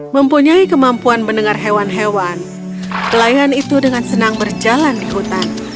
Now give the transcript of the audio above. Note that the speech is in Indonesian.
mempunyai kemampuan mendengar hewan hewan pelayan itu dengan senang berjalan di hutan